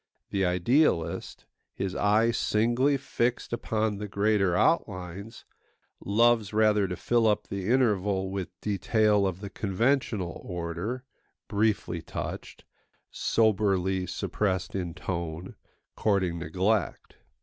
The idealist, his eye singly fixed upon the greater outlines, loves rather to fill up the interval with detail of the conventional order, briefly touched, soberly suppressed in tone, courting neglect.